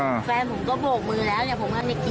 เขาหักหลบผมอ่าแฟนผมก็โบกมือแล้วเนี่ย